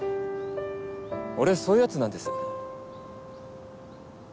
俺そういうヤツなんです。